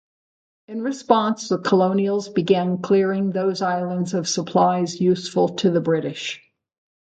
In response, the colonials began clearing those islands of supplies useful to the British.